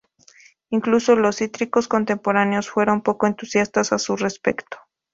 Incluso los críticos contemporáneos fueron poco entusiastas a su respecto.